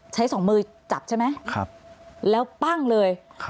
ใช้สองมือจับใช่ไหมแล้วปั้งเลยครับครับ